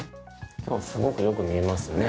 今日はすごくよく見えますね。